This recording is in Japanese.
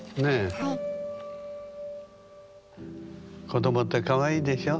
子どもってかわいいでしょ。